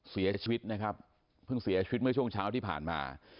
เสียชีวิตนะครับเพิ่งเสียชีวิตเมื่อช่วงเช้าที่ผ่านมา